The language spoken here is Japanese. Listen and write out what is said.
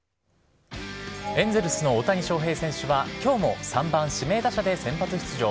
エンゼルスの大谷翔平選手は、きょうも３番指名打者で先発出場。